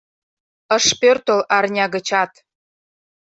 Ыш пӧртыл арня гычат.